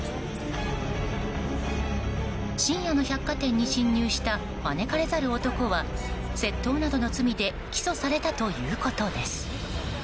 深夜の百貨店に侵入した招かれざる男は窃盗などの罪で起訴されたということです。